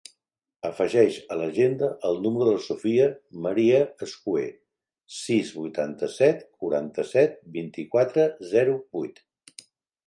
Afegeix a l'agenda el número de la Sofia maria Escuer: sis, vuitanta-set, quaranta-set, vint-i-quatre, zero, vuit.